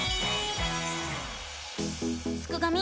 すくがミ！